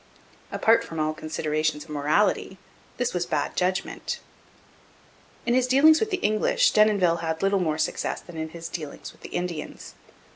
Apart from all considerations of morality this was bad judgment. In his dealings with the English Denonville had little more success than in his dealings with the Indians.